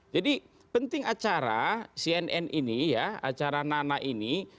jadi penting acara cnn ini ya acara nana ini